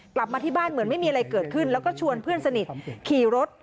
กลับมาที่บ้านเหมือนไม่มีอะไรเกิดขึ้นแล้วก็ชวนเพื่อนสนิทขี่รถ